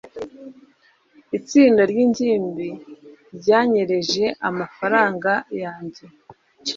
Itsinda ryingimbi ryanyereje amafaranga yanjye.